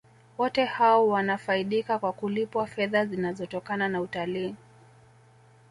wote hao wanafaidika kwa kulipwa fedha zinazotokana na utalii